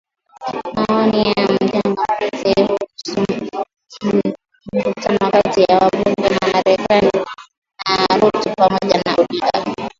Maoni ya mchambuzi kuhusu mkutano kati ya wabunge wa Marekani na Ruto pamoja na Odinga